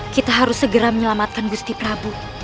kita harus segera menyelamatkan gusti prabu